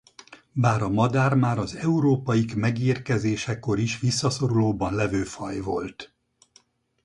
Bár a madár már az európaik megérkezésekor is visszaszorulóban levő faj volt.